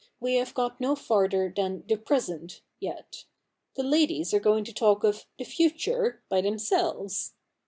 We have got no farther than " The Present " yet. The ladies are going to talk of *'The Future" by themselves.